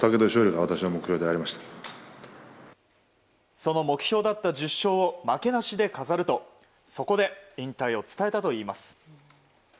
その目標だった１０勝を負けなしで飾るとそこで引退を伝えたといいます。